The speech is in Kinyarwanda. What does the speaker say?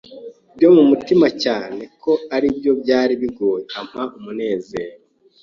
byo mu mutima cyane ko ari byo byari bigoye, impa umunezero